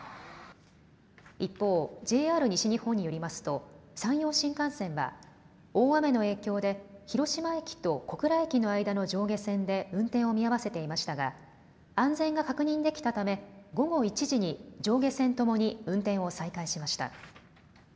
一方、ＪＲ西日本によりますと山陽新幹線は大雨の影響で広島駅と小倉駅の間の上下線で運転を見合わせていましたが安全が確認できたため午後１時に上下線ともに運転を再開しました。